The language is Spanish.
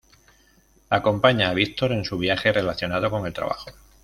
Acompaña a Victor en su viaje relacionado con el trabajo.